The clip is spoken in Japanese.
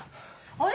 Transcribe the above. あれ？